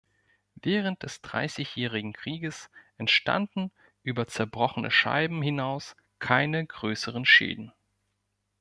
Während des Dreißigjährigen Krieges entstanden über zerbrochene Scheiben hinaus keine größeren Schäden.